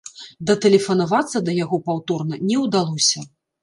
Датэлефанавацца да яго паўторна не ўдалося.